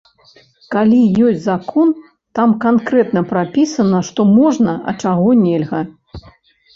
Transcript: Калі ёсць закон, там канкрэтна прапісана што можна, а чаго нельга.